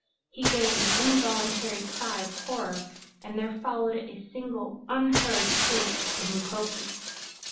He gave an involuntary cry of horror, and there followed it a single, unheard shriek for Mukoki.